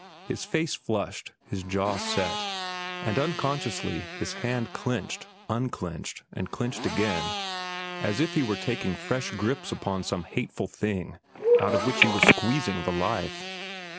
His face flushed, his jaw set, and unconsciously his hand clenched, unclenched, and clenched again as if he were taking fresh grips upon some hateful thing out of which he was squeezing the life.